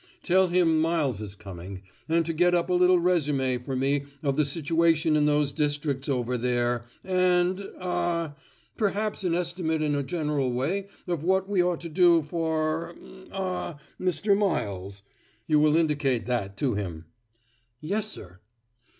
"Tell him Miles is coming, and to get up a little résumé for me of the situation in those districts over there, and ah perhaps an estimate in a general way of what we ought to do for, ah Mr. Miles. You will indicate that to him." "Yes, sir."